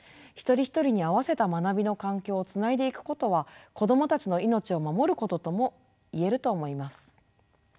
一人一人に合わせた学びの環境をつないでいくことは子どもたちの命を守ることとも言えると思います。